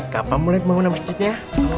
kapan mulai kemana masjidnya